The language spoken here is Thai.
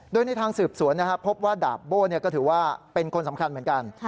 โดยในทางสืบสวนพบว่าดาบโบ้ก็ถือว่าเป็นคนสำคัญเหมือนกัน